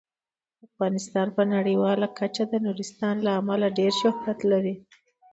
افغانستان په نړیواله کچه د نورستان له امله ډیر شهرت لري.